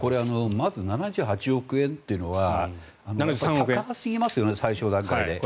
ただ７３億円というのは高すぎますよね、最初の段階で。